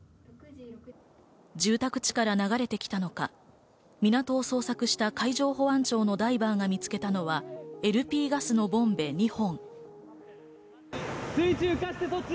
住宅地から流れてきたのか、港を捜索した海上保安庁のダイバーが見つけたのはＬＰガスのボンベ２本。